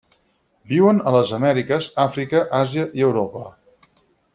Viuen a les Amèriques, Àfrica, Àsia i Europa.